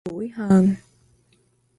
tủi hờn